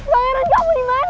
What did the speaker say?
pangeran kamu dimana